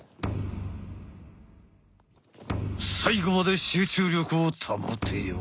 最後まで集中力を保てよ！